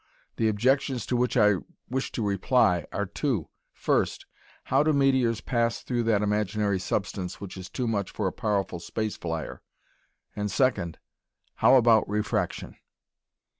The objections to which I wish to reply are two: first, "How do meteors pass through that imaginary substance which is too much for a powerful space flyer?" and second, "How about refraction?"